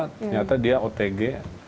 ternyata dia otg